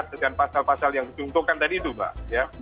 dan pasal pasal yang dicungkukan tadi itu pak